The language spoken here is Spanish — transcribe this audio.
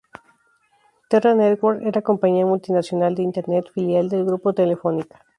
Terra Networks era compañía Multinacional de Internet, filial del grupo Telefónica.